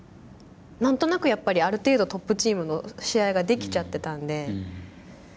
何となくやっぱりある程度トップチームの試合ができちゃってたんで。